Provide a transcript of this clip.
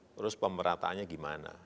terus pemerataannya gimana